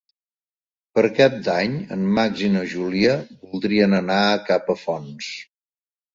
Per Cap d'Any en Max i na Júlia voldrien anar a Capafonts.